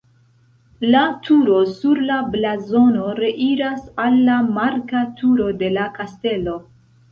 La turo sur la blazono reiras al la marka turo de la kastelo.